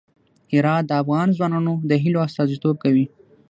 هرات د افغان ځوانانو د هیلو استازیتوب کوي.